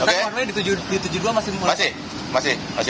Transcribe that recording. nanti kalau di tujuh puluh dua masih memulai